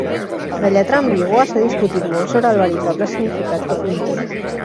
De lletra ambigua, s'ha discutit molt sobre el veritable significat que conté.